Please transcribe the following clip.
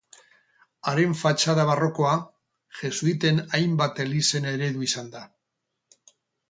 Haren fatxada barrokoa jesuiten hainbat elizen eredu izan da.